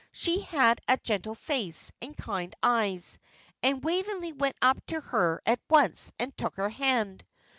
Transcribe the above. She had a gentle face, and kind eyes, and Waveney went up to her at once and took her hand.